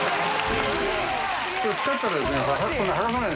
「すごい！」